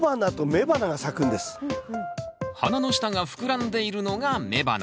花の下が膨らんでいるのが雌花。